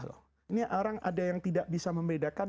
ini orang ada yang tidak bisa membedakan